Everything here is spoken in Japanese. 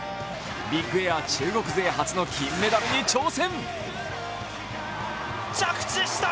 ビッグエア中国勢初の金メダルに挑戦。